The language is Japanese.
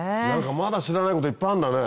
まだ知らないこといっぱいあるんだね。